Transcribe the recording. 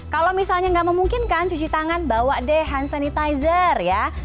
kalau misalnya nggak memungkinkan cuci tangan bawa deh hand sanitizer ya